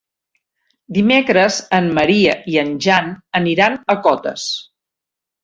Dimecres en Maria i en Jan aniran a Cotes.